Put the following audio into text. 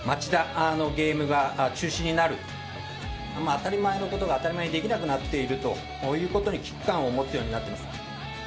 当たり前の事が当たり前にできなくなっているという事に危機感を持つようになってます。